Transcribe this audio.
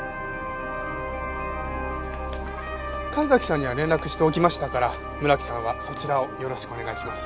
神崎さんには連絡しておきましたから村木さんはそちらをよろしくお願いします。